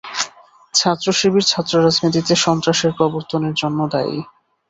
ছাত্রশিবির ছাত্ররাজনীতিতে সন্ত্রাসের প্রবর্তনের জন্য দায়ী।